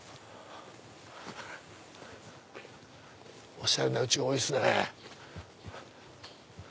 おしゃれな家が多いですね。